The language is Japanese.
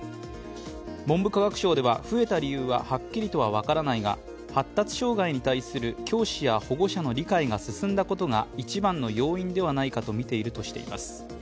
文部科学省では増えた理由ははっきりとは分からないが発達障害に対する教師や保護者の理解が進んだことが一番の要因ではないかと見ていると指摘しています。